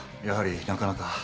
やはりなかなか。